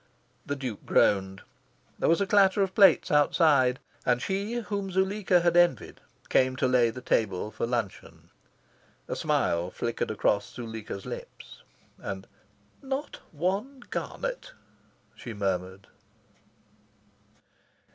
The Duke groaned. There was a clatter of plates outside, and she whom Zuleika had envied came to lay the table for luncheon. A smile flickered across Zuleika's lips; and "Not one garnet!" she murmured.